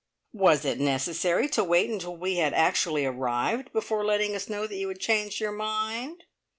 "Was it necessary to wait until we had actually arrived, before letting us know that you had changed your mind?"